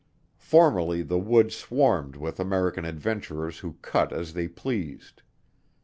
Formerly the woods swarmed with American adventurers who cut as they pleased.